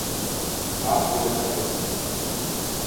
Largo da Carioca